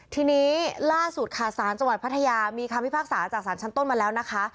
ทีนี้ล่าสุดค่ะสารจังหวัดพัทยามีคำพิพากษาจากศาลชั้นต้นมาแล้วนะคะ